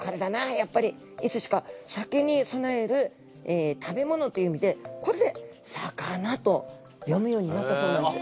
いつしか酒にそなえる食べ物という意味でこれで酒菜と読むようになったそうなんです。